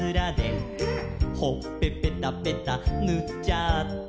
「ほっぺぺたぺたぬっちゃった」